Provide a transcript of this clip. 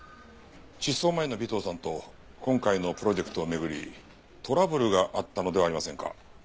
失踪前の尾藤さんと今回のプロジェクトを巡りトラブルがあったのではありませんか？